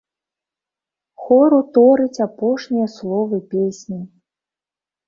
Хор уторыць апошнія словы песні.